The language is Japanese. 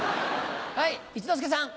はい一之輔さん。